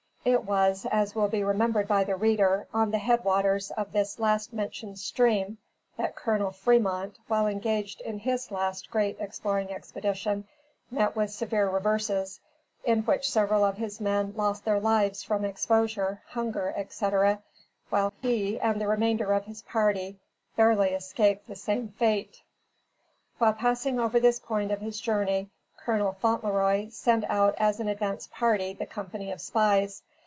It was, as will be remembered by the reader, on the head waters of this last mentioned stream, that Col. Fremont, while engaged in his last great exploring expedition, met with severe reverses, in which several of his men lost their lives from exposure, hunger, etc., while he, and the remainder of his party, barely escaped the same fate. While passing over this point of his journey, Col. Fauntleroy sent out as an advance party the company of spies.